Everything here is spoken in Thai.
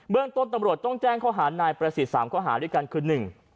เบื้องต้นตำรวจต้องแจ้งข้อหารนายประสิทธิ์๓ข้อหารด้วยกันคือ